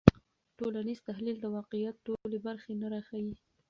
ټولنیز تحلیل د واقعیت ټولې برخې نه راښيي.